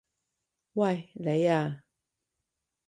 喂！你啊！